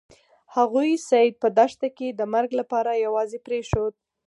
هغوی سید په دښته کې د مرګ لپاره یوازې پریښود.